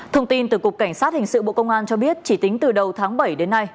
thông tin từ cục cảnh sát hình sự bộ công an cho biết chỉ tính từ đầu tháng bảy đến nay